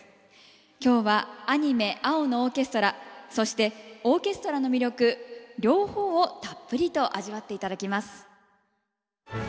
今日はアニメ「青のオーケストラ」そしてオーケストラの魅力両方をたっぷりと味わって頂きます。